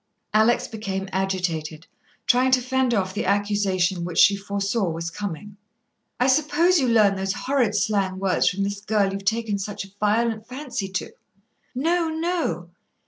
Alex became agitated, trying to fend off the accusation which she foresaw was coming. "I suppose you learn those horrid slang words from this girl you've taken such a violent fancy to." "No, no."